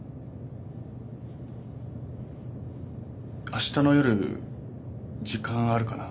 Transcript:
明日の夜時間あるかな？